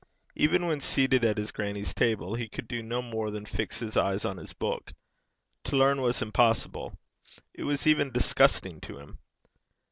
Even when seated at his grannie's table, he could do no more than fix his eyes on his book: to learn was impossible; it was even disgusting to him.